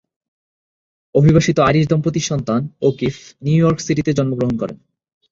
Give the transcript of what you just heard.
অভিবাসিত Irish দম্পতির সন্তান O'Keeffe New York সিটিতে জন্মগ্রহণ করেন।